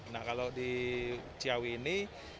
nah kalau di ciawi ini